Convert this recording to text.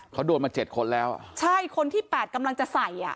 เขาโดนมา๗คนแล้วใช่คนที่๘กำลังจะใส่